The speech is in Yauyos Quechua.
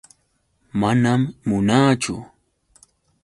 Manam munaachu.